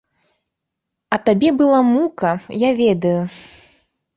А табе была мука, я ведаю.